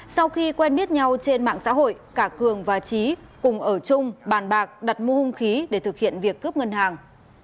sau khi quen biết nhau trên mạng xã hội cả cường và trí cùng ở chung bàn bạc đặt mua hung khí để thực hiện việc cướp ngân hàng